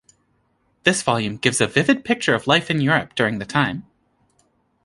This volume gives a vivid picture of life in Europe during the time.